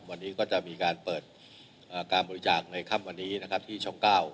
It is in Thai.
วันนี้ก็จะมีการเปิดการบริจาคในค่ำวันนี้นะครับที่ช่อง๙